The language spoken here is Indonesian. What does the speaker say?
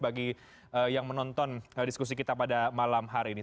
bagi yang menonton diskusi kita pada malam hari ini